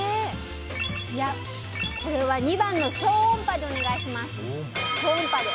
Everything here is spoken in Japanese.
これは２番の超音波でお願いします。